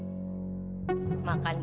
akan bolu sambil dengerin lagu keroncong